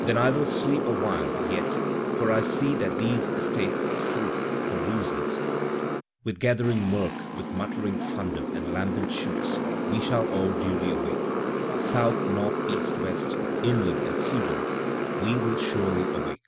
Then I will sleep awhile yet, for I see that these States sleep, for reasons; (With gathering murk, with muttering thunder and lambent shoots we shall all duly awake. South, North, East, West, inland and seaboard, we will surely awake).